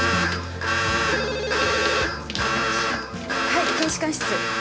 はい検視官室。